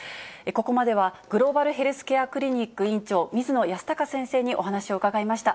ここまでは、グローバルヘルスケアクリニック院長、水野泰孝先生にお話を伺いました。